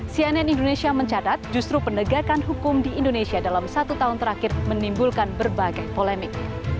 cnn indonesia mencatat justru penegakan hukum di indonesia dalam satu tahun terakhir menimbulkan berbagai polemik